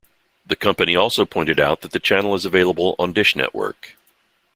The company also pointed out that the channel is available on Dish Network.